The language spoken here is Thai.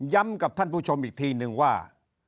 กับท่านผู้ชมอีกทีนึงว่า